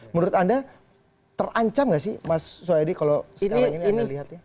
menurut anda terancam nggak sih mas soedi kalau sekarang ini anda lihat ya